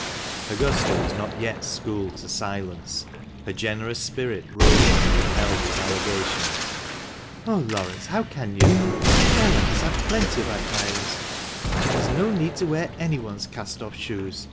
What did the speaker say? Augusta was not yet schooled to silence ; her generous spirit rose to repel these allegations. " Oh, Laurence, how can you ? Ellen has had plenty of admirers ; she has no need to wear anyone's cast off shoes.